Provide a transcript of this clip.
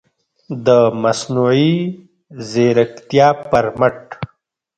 د مصنوعي ځیرکتیا پر مټ